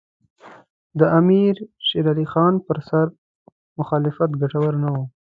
د امیر شېر علي خان پر سر مخالفت ګټور نه وو.